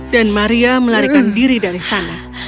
dan maria melarikan diri dari sana